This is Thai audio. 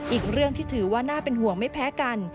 อีกเรื่องที่ถือว่าน่าเป็นห่วงไม่แพ้กัน